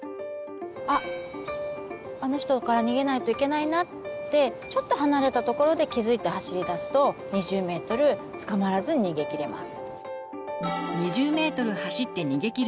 あっあの人から逃げないといけないなってちょっと離れたところで気付いて走りだすと２０ｍ捕まらずに逃げきれます。